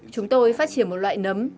chúng tôi phát triển một loại nấm